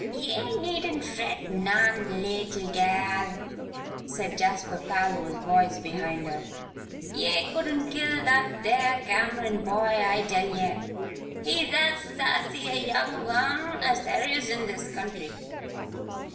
"Ye needn't fret none, leetle gal," said Jasper Parloe's voice, behind her. "Ye couldn't kill that there Cameron boy, I tell ye! He is as sassy a young'un as there is in this county."